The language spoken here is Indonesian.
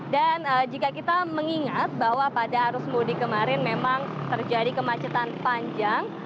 dan jika kita mengingat bahwa pada arus mudi kemarin memang terjadi kemacetan panjang